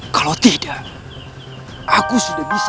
kalau tidak aku sudah bisa